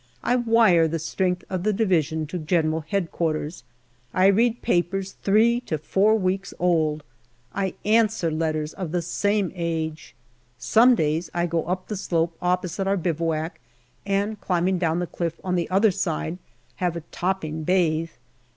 I wire the strength of the Division to G.H.Q. I read papers three to four weeks old ; I answer letters of the same age. Some days I go up the slope opposite our bivouac, and, climbing down the cliff on the other side, have a topping bathe.